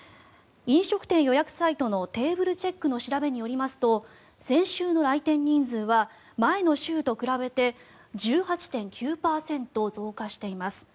飲食店予約サイトのテーブルチェックの調べによりますと先週の来店人数は前の週と比べて１８．９％増加しています。